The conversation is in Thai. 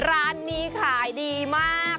ร้านนี้ขายดีมาก